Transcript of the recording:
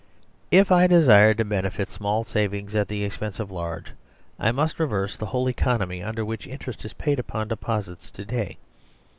If I desire to benefit small savings at the expense of large, I must reverse the whole economy under which interest is paid upon deposits to day.